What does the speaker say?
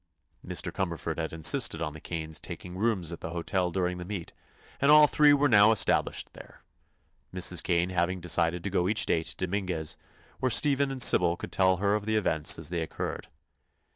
Mr. Cumberford had insisted on the Kanes taking rooms at the hotel during the meet, and all three were now established there, Mrs. Kane having decided to go each day to Dominguez, where Stephen and Sybil could tell her of the events as they occurred.